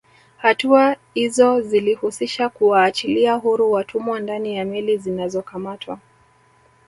Hatua izo zilihusisha kuwaachilia huru watumwa ndani ya meli zinazokamatwa